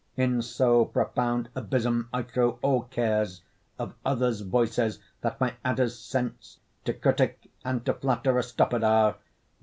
In so profound abysm I throw all care Of others' voices, that my adder's sense To critic and to flatterer stopped are.